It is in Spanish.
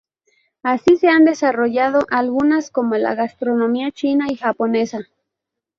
Así se han desarrollado algunas como la gastronomía china y japonesa.